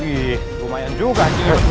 wih lumayan juga